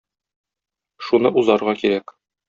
Шуны узарга кирәк.